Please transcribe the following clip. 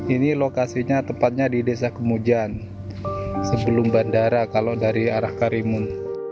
ini lokasinya tepatnya di desa kemujan sebelum bandara kalau dari arah karimun